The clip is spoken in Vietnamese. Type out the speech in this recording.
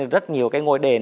rất nhiều cái ngôi đền